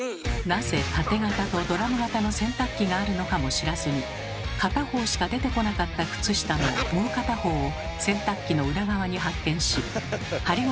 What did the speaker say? なぜタテ型とドラム型の洗濯機があるのかも知らずに片方しか出てこなかった靴下のもう片方を洗濯機の裏側に発見し針金